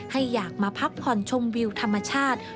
อยากมาพักผ่อนชมวิวธรรมชาติ